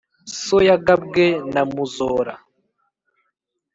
so yagabwe na muzora.